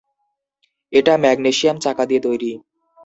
এটা ম্যাগনেসিয়াম চাকা দিয়ে তৈরি.